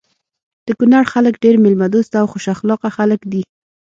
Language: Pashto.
د کونړ خلک ډير ميلمه دوسته او خوش اخلاقه خلک دي.